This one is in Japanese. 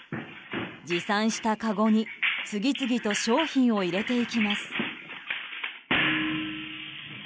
持参したかごに次々と商品を入れていきます。